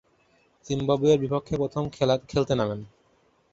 জিম্বাবুয়ের বিপক্ষে প্রথম খেলতে নামেন।